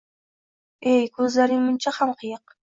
Ey… Ko’zlaring muncha ham qiyiq